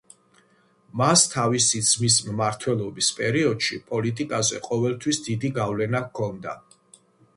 მას თავისი ძმის მმართველობის პერიოდში პოლიტიკაზე ყოველთვის დიდი გავლენა ჰქონდა.